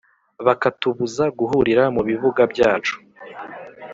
bakatubuza guhurira mu bibuga byacu.